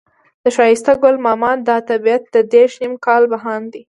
د ښایسته ګل ماما دا طبيعت دېرش نيم کاله بهاند دی.